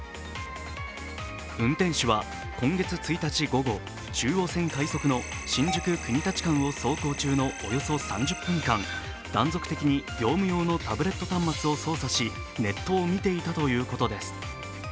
運転士は今月１日午後、中央線快速の新宿−国立間を走行中のおよそ３０分間、断続的に業務用のタブレット端末を操作し、ネットを見ていたということです。